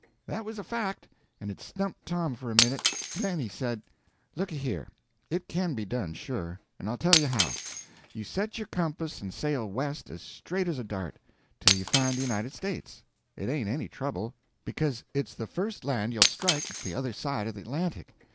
That was a fact, and it stumped Tom for a minute. Then he said: "Looky here, it can be done, sure; and I'll tell you how. You set your compass and sail west as straight as a dart, till you find the United States. It ain't any trouble, because it's the first land you'll strike the other side of the Atlantic.